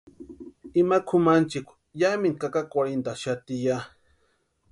Ima kʼumanchikwa yámintu kakakwarhintʼaxati ya.